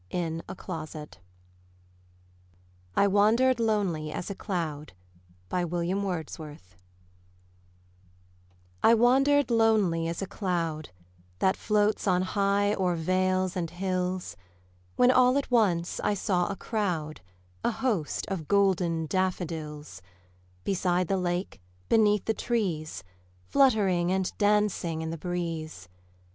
William Wordsworth I Wandered Lonely As a Cloud I WANDERED lonely as a cloud That floats on high o'er vales and hills, When all at once I saw a crowd, A host, of golden daffodils; Beside the lake, beneath the trees, Fluttering and dancing in the breeze.